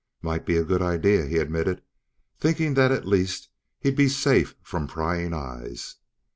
"Might be a good idea," he admitted, thinking that at least, he'd be safe from prying eyes.